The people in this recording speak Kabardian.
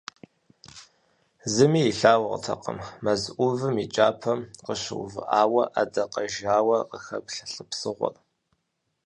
Зыми илъагъуртэкъым мэз ӏувым и кӏапэм къыщыувыӏауэ ӏэдакъэжьауэу къыхэплъ лӏы псыгъуэр.